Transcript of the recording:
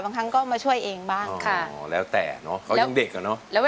พลังงานเยอะแล้ว